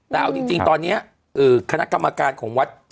แต่เอาจริงตอนนี้คณะกรรมการของวัด